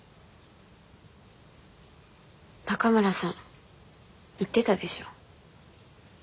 高村さん言ってたでしょ。